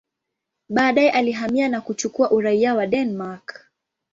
Baadaye alihamia na kuchukua uraia wa Denmark.